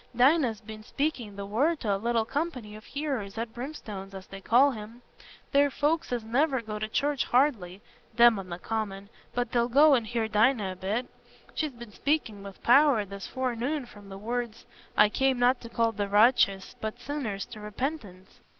"Dinah's been speaking the Word to a little company of hearers at Brimstone's, as they call him. They're folks as never go to church hardly—them on the Common—but they'll go and hear Dinah a bit. She's been speaking with power this forenoon from the words, 'I came not to call the righteous, but sinners to repentance.